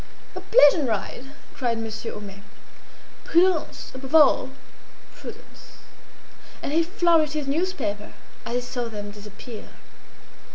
"A pleasant ride!" cried Monsieur Homais. "Prudence! above all, prudence!" And he flourished his newspaper as he saw them disappear.